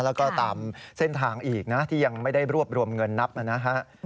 ระยะทางอีกนะที่ยังไม่ได้รวบรวมเงินนับนะฮะ